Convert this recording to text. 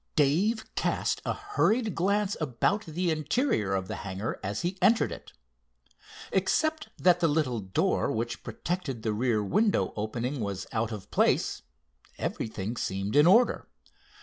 Dave cast a hurried glance about the interior of the hangar as he entered it. Except that the little door which protected the rear window opening was out of place, everything seemed in order.